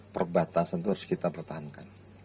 perbatasan itu harus kita pertahankan